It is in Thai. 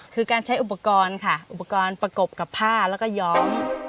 คือการใช้อุปกรณ์ค่ะอุปกรณ์ประกบกับผ้าแล้วก็ย้อม